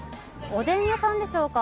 おでん屋さんでしょうか。